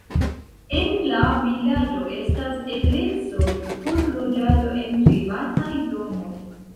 En la vilaĝo estas eblecoj por loĝado en privataj domoj.